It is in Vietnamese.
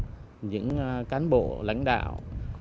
với những cán bộ lãnh đạo